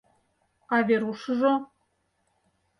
— А Верушыжо?